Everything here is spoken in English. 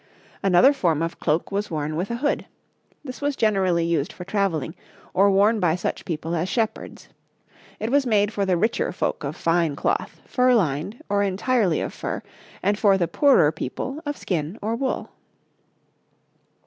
Another form of cloak was worn with a hood. This was generally used for travelling, or worn by such people as shepherds. It was made for the richer folk of fine cloth, fur lined, or entirely of fur, and for the poorer people of skin or wool.